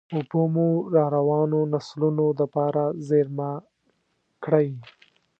اوبه مو راروانو نسلونو دپاره زېرمه کړئ.